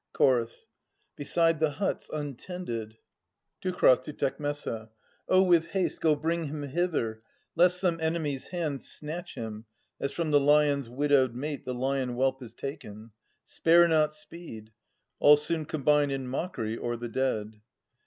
Ch. Beside the huts, untended. Teu. {to Tec.) Oh, with haste Go bring him hither, lest some enemy's hand Snatch him, as from the lion's widowed mate The lion whelp is taken. Spare not speed. All soon combine in mockery o'er the dead.